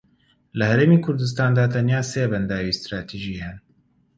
لە هەرێمی کوردستاندا تەنیا سێ بەنداوی ستراتیژی هەن